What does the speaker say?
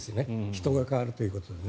人が代わるということで。